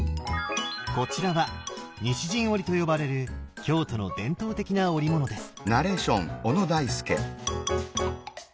こちらは西陣織と呼ばれる京都の伝統的な織物です。